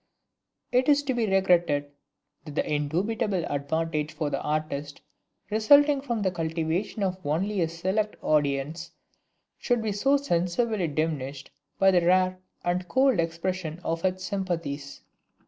It is to be regretted that the indubitable advantage for the artist resulting from the cultivation of only a select audience, should be so sensibly diminished by the rare and cold expression of its sympathies.